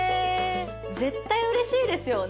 絶対うれしいですよね。